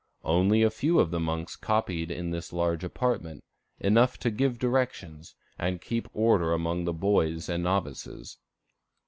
Only a few of the monks copied in this large apartment, enough to give directions, and keep order among the boys and novices.